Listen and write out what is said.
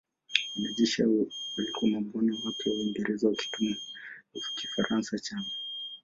Wanajeshi hao walikuwa mabwana wapya wa Uingereza wakitumia Kifaransa chao.